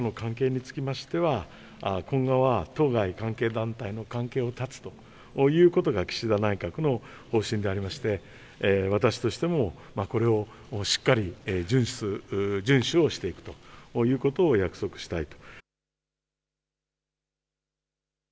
また旧統一教会との関係につきましては当該関係団体との関係を断つということが岸田内閣の方針でありましてまた私としてもこれをしっかり順守する、順守をしていくということを約束したい。